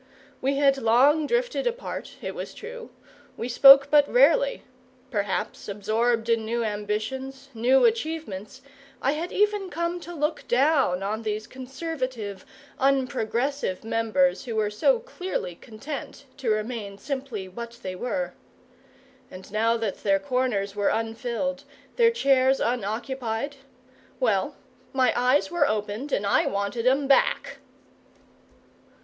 We had long drifted apart, it was true, we spoke but rarely; perhaps, absorbed in new ambitions, new achievements, I had even come to look down on these conservative, unprogressive members who were so clearly content to remain simply what they were. And now that their corners were unfilled, their chairs unoccupied well, my eyes were opened and I wanted 'em back!